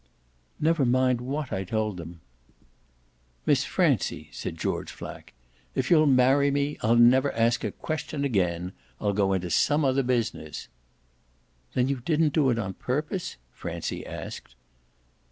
"Never mind what I told them." "Miss Francie," said George Flack, "if you'll marry me I'll never ask a question again. I'll go into some other business." "Then you didn't do it on purpose?" Francie asked.